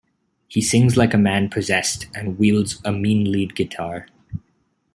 He sings like a man possessed and wields a mean lead guitar.